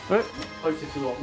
解説は。